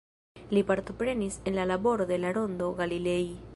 Li partoprenis en la laboro de la Rondo Galilei.